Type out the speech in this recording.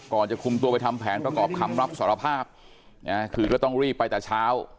จะคุมตัวไปทำแผนประกอบคำรับสารภาพนะคือก็ต้องรีบไปแต่เช้า